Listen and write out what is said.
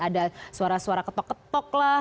ada suara suara ketok ketok lah